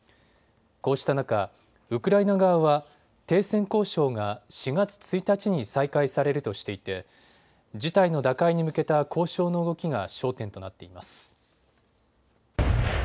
こうした中、ウクライナ側は停戦交渉が４月１日に再開されるとしていて事態の打開に向けた交渉の動きが焦点となっています。